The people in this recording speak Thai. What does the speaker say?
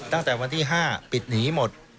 ตั้งแต่วันที่๕ปิดหนีหมด